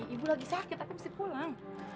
ibu lagi sakit tapi mesti pulang